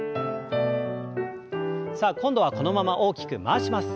さあ今度はこのまま大きく回します。